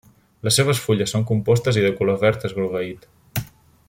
Les seves fulles són compostes i de color verd esgrogueït.